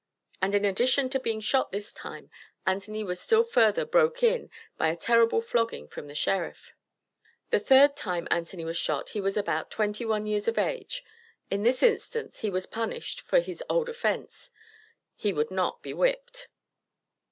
And in addition to being shot this time, Anthony was still further "broke in" by a terrible flogging from the Sheriff. The third time Anthony was shot he was about twenty one years of age. In this instance he was punished for his old offence he "would not be whipped."